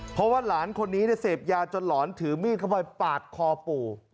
เพราะว่าหลานคนนี้เสพยาจนหลอนถือมีดเข้าไปปาดคอปู่